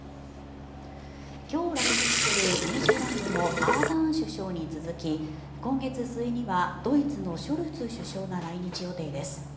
今日来日するニュージーランドのアーダーン首相に続き今月末にはドイツのショルツ首相が来日予定です。